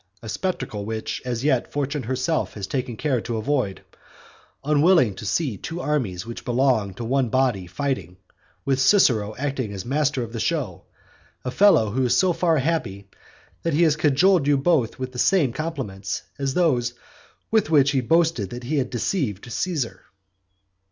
A spectacle which as yet Fortune herself has taken care to avoid, unwilling to see two armies which belong to one body fighting, with Cicero acting as master of the show; a fellow who is so far happy that he has cajoled you both with the same compliments as those with which he boasted that he had deceived Caesar."